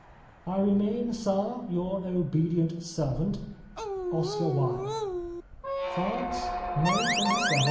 I remain, Sir, your obedient servant, OSCAR WILDE. France, May 27th, 1897.